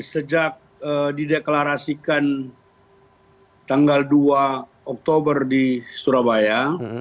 sejak dideklarasikan tanggal dua oktober di surabaya